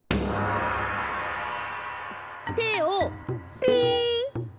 てをピン。